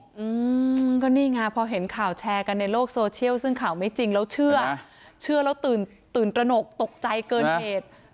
อืมก็นี่ไงพอเห็นข่าวแชร์กันในโลกโซเชียลซึ่งข่าวไม่จริงแล้วเชื่อเชื่อแล้วตื่นตื่นตระหนกตกใจเกินเหตุ